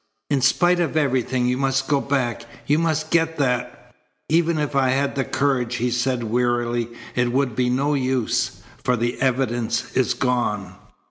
"In spite of everything you must go back. You must get that." "Even if I had the courage," he said wearily, "it would be no use, for the evidence is gone."